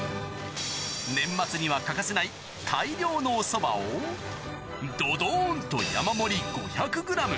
年末には欠かせない大量のおそばを、どどーんと山盛り５００グラム。